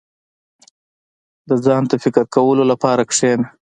• د ځان ته فکر کولو لپاره کښېنه.